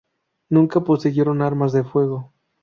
Nunca poseyeron armas de fuego.